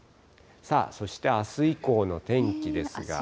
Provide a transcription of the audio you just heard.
そして、あす以降の天気ですが。